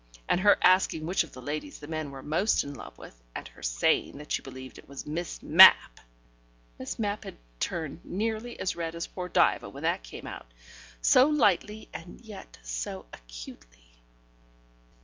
And her asking which of the ladies the men were most in love with, and her saying that she believed it was Miss Mapp! Miss Mapp had turned nearly as red as poor Diva when that came out, so lightly and yet so acutely.